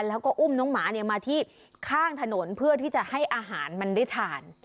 แล้วก็อุ้มน้องหมาเนี่ยมาที่ข้างถนนเพื่อที่จะให้อาหารมันได้ทาน